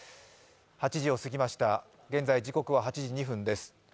８時を過ぎました現在、時刻は８時２分です。